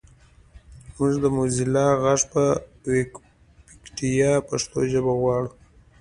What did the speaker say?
مونږ د موزیلا غږ په ویکیپېډیا کې پښتو ژبه غواړو